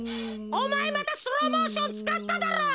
おまえまたスローモーションつかっただろう。